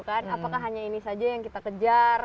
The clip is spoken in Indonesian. apakah hanya ini saja yang kita kejar